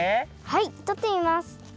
はいとってみます。